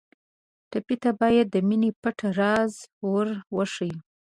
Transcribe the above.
ټپي ته باید د مینې پټ راز ور وښیو.